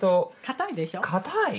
硬いでしょ？硬い。